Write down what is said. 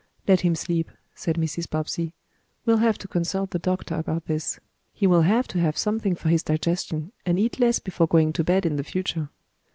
"Let him sleep," said Mrs. Bobbsey. "We'll have to consult the doctor about this. He will have to have something for his digestion and eat less before going to bed in the future."